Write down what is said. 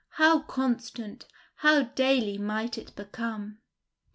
how constant, how daily might it become!